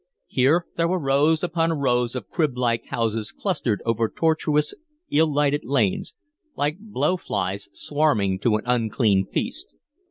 Here there were rows upon rows of crib like houses clustered over tortuous, ill lighted lanes, like blow flies swarming to an unclean feast.